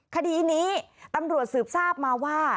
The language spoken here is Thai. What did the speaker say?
คดีนี้ตำรวจสืบทราบมาว่า